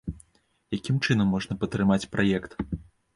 Якім чынам можна падтрымаць праект?